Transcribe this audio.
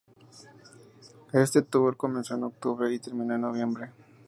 Este tour comenzó en octubre y terminó en noviembre.